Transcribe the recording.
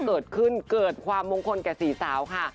เกิดขึ้นเกิดความมงคลแก่สี่สาวค่ะ